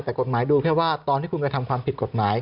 แต่กฎหมายดูเพราะว่าตอนที่คุณกำลังทำความผิดกฎหมาย